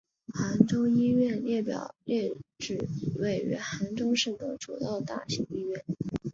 杭州医院列表列举位于杭州市的主要大型医院。